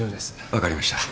分かりました。